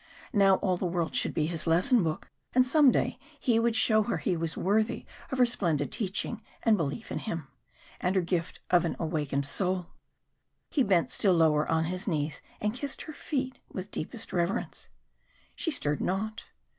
Now all the world should be his lesson book, and some day he would show her he was worthy of her splendid teaching and belief in him, and her gift of an awakened soul. He bent still lower on his knees, and kissed her feet with deepest reverence. She stirred not.